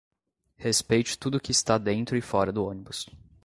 Respeite tudo o que está dentro e fora do ônibus.